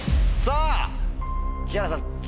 さぁ木原さん